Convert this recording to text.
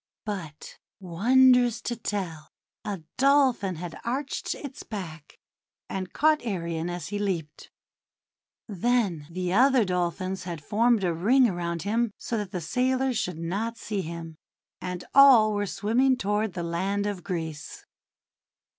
But, wondrous to tell, a Dolphin had arched its back, and caught Arion as he leaped. Then the other Dolphins had formed a ring around him so that the sailors should not see him; and all were swimming toward the land of Greece.